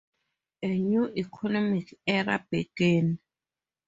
A new economic era began.